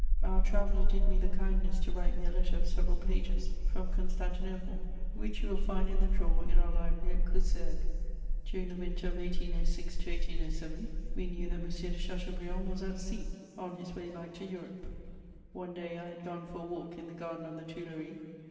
Our traveller did me the kindness to write me a letter of several pages from Constantinople, which you will find in the drawer in our library at Coussergues. During the winter of 1806 to 1807, we knew that M. de Chateaubriand was at sea, on his way back to Europe; one day I had gone for a walk in the garden of the Tuileries with M.